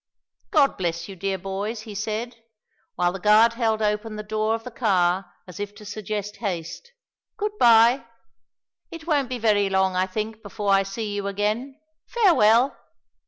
"God bless you, dear boys," he said, while the guard held open the door of the car as if to suggest haste; "good bye. It won't be very long I think before I see you again. Farewell."